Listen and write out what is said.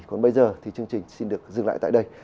còn bây giờ thì chương trình xin được dừng lại tại đây